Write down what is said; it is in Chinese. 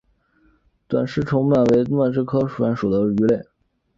短鳍虫鳗为蠕鳗科虫鳗属的鱼类。